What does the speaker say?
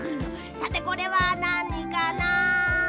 さてこれはなにかな？